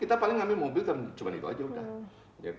kita paling ambil mobil cuma itu saja